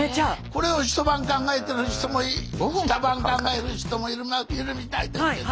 これを一晩考えてる人も二晩考える人もいるみたいですけど。